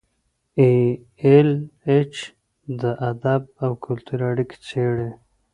ای ایل ایچ د ادب او کلتور اړیکې څیړي.